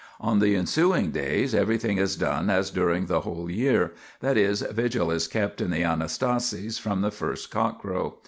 On the ensuing days everything is done as during the whole year, that is, vigil is kept in the Anastasis from the first cockcrow.